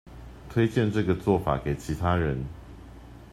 推薦這個做法給其他人